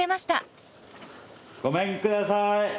ごめんください。